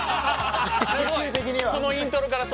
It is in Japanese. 最終的には。